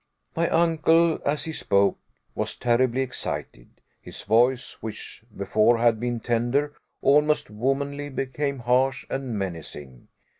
My uncle as he spoke was terribly excited. His voice, which before had been tender, almost womanly, became harsh and menacing.